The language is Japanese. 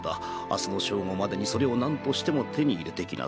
明日の正午までにそれを何としても手に入れてきなさい。